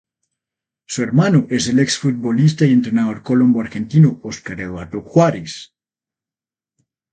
Su hermano es el ex-futbolista y entrenador colombo-argentino Oscar Eduardo Juárez.